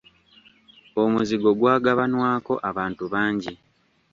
Omuzigo gw'agabanwako abantu bangi.